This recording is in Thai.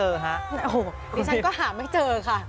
โอ้โหดิฉันก็หาไม่เจอค่ะ